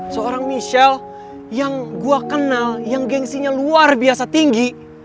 seorang michelle yang gue kenal yang gengsinya luar biasa tinggi